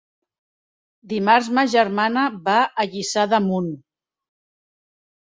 Dimarts ma germana va a Lliçà d'Amunt.